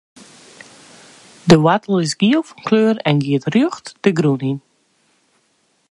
De woartel is giel fan kleur en giet rjocht de grûn yn.